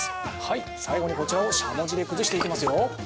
最後に、こちらをしゃもじで崩していきますよ。